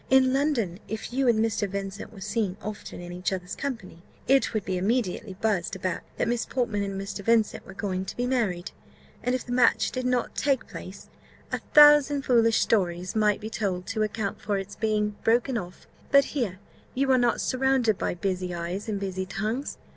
In London if you and Mr. Vincent were seen often in each other's company, it would be immediately buzzed about that Miss Portman and Mr. Vincent were going to be married; and if the match did not take place, a thousand foolish stories might be told to account for its being broken off. But here you are not surrounded by busy eyes and busy tongues.